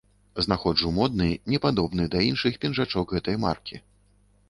Знаходжу модны, не падобны да іншых пінжачок гэтай маркі.